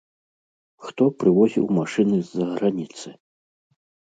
Хто прывозіў машыны з-за граніцы?